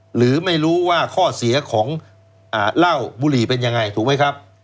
หรือไม่รู้ว่าข้อเสียของเหล้าบุหรี่เป็นยังไงถูกไหมครับ